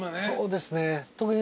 そうですね。